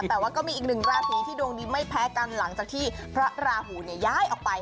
แต่ว่าก็มีอีกหนึ่งราศีที่ดวงดีไม่แพ้กันหลังจากที่พระราหูย้ายออกไป